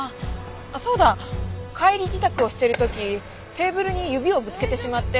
あっそうだ帰り支度をしてる時テーブルに指をぶつけてしまって。